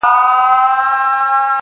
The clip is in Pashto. د غم شپيلۍ راپسي مه ږغـوه.